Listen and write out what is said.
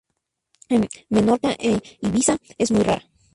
En Menorca e Ibiza es muy rara.